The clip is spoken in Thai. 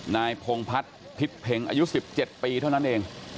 นายพงพัฒน์พิษเพ็งอายุ๑๗ปีเท่านั้นเอง